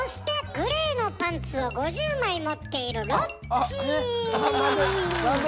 グレーのパンツを５０枚持っているなんで？